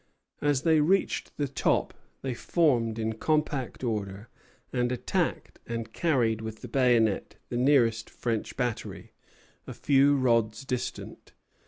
As they reached the top they formed in compact order, and attacked and carried with the bayonet the nearest French battery, a few rods distant.